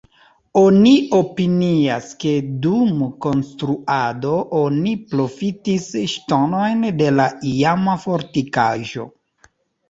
Oni opinias, ke dum konstruado oni profitis ŝtonojn de la iama fortikaĵo.